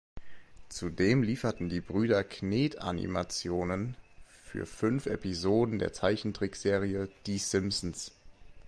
Zudem lieferten die Brüder Knetamimationen für fünf Episoden der Zeichentrickserie "Die Simpsons".